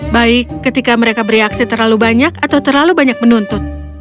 baik ketika mereka bereaksi terlalu banyak atau terlalu banyak menuntut